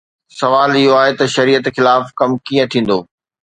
سوال اهو آهي ته شريعت خلاف ڪم ڪيئن ٿيندو؟